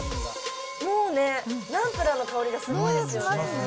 もうね、ナンプラーの香りがすごいんですよね。